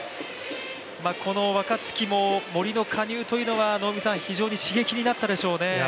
この若月も森の加入というのは非常に刺激になったでしょうね。